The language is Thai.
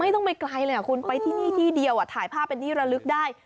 ต้องไปไกลเลยคุณไปที่นี่ที่เดียวถ่ายภาพเป็นที่ระลึกได้